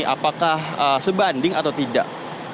apakah sebanding atau tidak